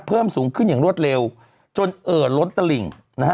เพิ่มสูงขึ้นอย่างรวดเร็วจนเอ่อรถตะหลิ่งเถอะอ่ะ